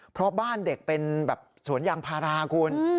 เพราะบ้านเด็กเป็นแบบสวนยางพาราคุณ